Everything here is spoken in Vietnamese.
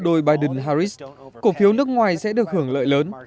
trong bộ đôi biden harris cổ phiếu nước ngoài sẽ được hưởng lợi lớn